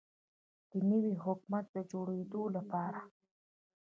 د نوي حکومت د جوړیدو لپاره